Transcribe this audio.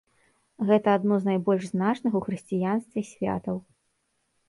Гэта адно з найбольш значных у хрысціянстве святаў.